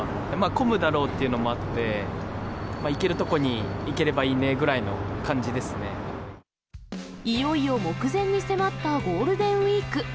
混むだろうっていうのもあって、行ける所に行ければいいねぐらいいよいよ目前に迫ったゴールデンウィーク。